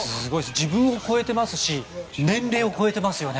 自分を超えてますし年齢を超えてますよね。